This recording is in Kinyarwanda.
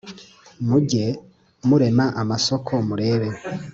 Muge murema amasoko murebe